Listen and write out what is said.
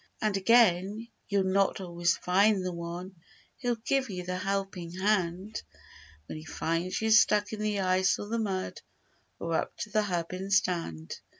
And again, you'll not always find the one Who'll give you the helping hand When he finds you stuck in the ice or the mud Or up to the hub in sand.